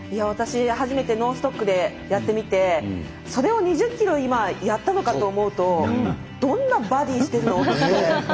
私、初めてノーストックでやってみてそれを２０ｋｍやったのかと思うとどんなボディーしてるの？って。